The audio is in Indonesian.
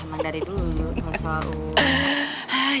emang dari dulu kalau soal uang